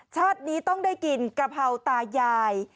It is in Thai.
ชาตินี้ต้องได้กินกะเพราตายาย